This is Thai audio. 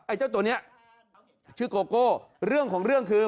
เจ้าตัวนี้ชื่อโกโก้เรื่องของเรื่องคือ